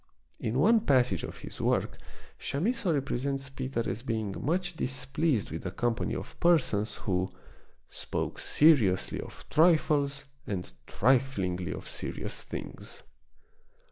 In one passage of his work Chamisso represents Peter as being much displeased with a com pany of persons who " spoke seriously of trifles and triflingly of serious things."